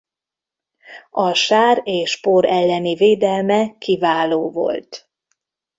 A sár és por elleni védelme kiváló volt.